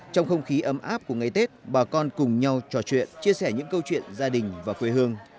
trong không khí ấm áp của ngày tết bà con cùng nhau trò chuyện chia sẻ những câu chuyện gia đình và quê hương